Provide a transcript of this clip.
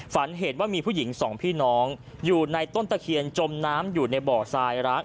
ฝันเห็นว่ามีผู้หญิงสองพี่น้องอยู่ในต้นตะเคียนจมน้ำอยู่ในบ่อทรายร้าง